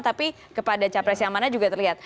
tapi kepada capres yang mana juga terlihat